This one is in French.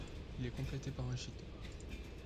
Il est complété par un gite.